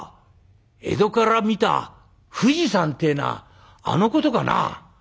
江戸から見た富士山ってえのはあのことかな？」。